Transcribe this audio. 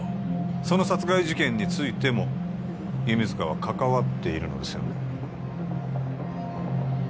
その殺害事件についても弓塚は関わっているのですよね？